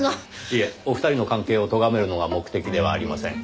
いえお二人の関係をとがめるのが目的ではありません。